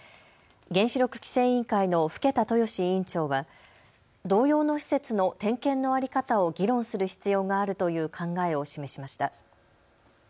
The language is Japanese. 原子力規制委員会の更田豊志委員長は同様の施設の点検の在り方を議論する必要があるという考えを示しました。